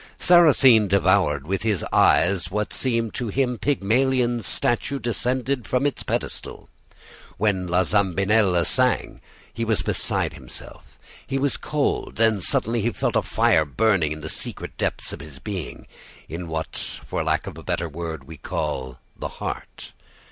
"Sarrasine devoured with his eyes what seemed to him Pygmalion's statue descended from its pedestal. When La Zambinella sang, he was beside himself. He was cold; then suddenly he felt a fire burning in the secret depths of his being, in what, for lack of a better word, we call the heart.